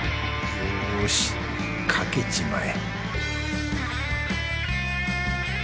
よしかけちまえ